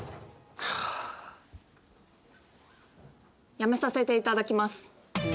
辞めさせていただきます。